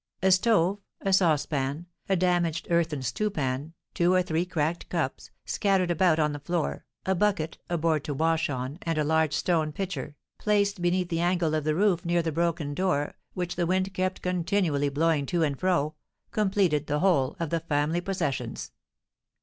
A stove, a saucepan, a damaged earthen stewpan, two or three cracked cups, scattered about on the floor, a bucket, a board to wash on, and a large stone pitcher, placed beneath the angle of the roof near the broken door, which the wind kept continually blowing to and fro, completed the whole of the family possessions.